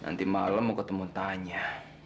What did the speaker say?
nanti malam mau ketemu tanya